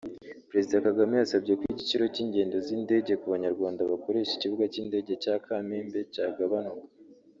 Perezida Kagame yasabye ko igiciro cy’ingendo z’indenge ku Banyarwanda bakoresha ikibuga cy’indege cya Kamembe cyagabanuka